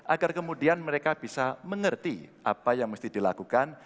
agar kemudian mereka bisa mengerti apa yang mesti dilakukan